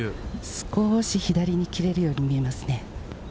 少し左に切れるように見えます。